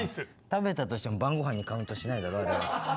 食べたとしても晩ごはんにカウントしないだろあれは。